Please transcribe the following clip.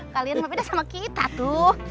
kalian mau beda sama kita tuh